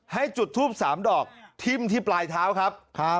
ให้จุดทูป๓ดอกทิ้มที่ปลายเท้าครับ